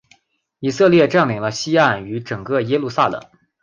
以色列占领了西岸与整个耶路撒冷。